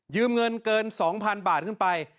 เงินเกิน๒๐๐๐บาทขึ้นไป